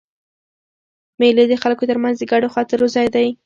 مېلې د خلکو تر منځ د ګډو خاطرو ځای دئ.